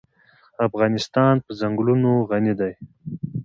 افغانستان په ځنګلونه غني دی.